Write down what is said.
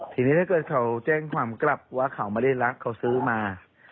ทีนี้ถ้าเกิดเขาแจ้งความกลับว่าเขาไม่ได้รักเขาซื้อมา